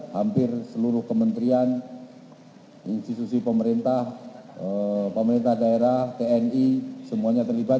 hampir seluruh kementerian institusi pemerintah pemerintah daerah tni semuanya terlibat